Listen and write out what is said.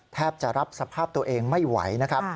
แทบจะรับสภาพตัวเองไม่ไหวนะครับ